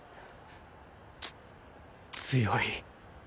つ強い。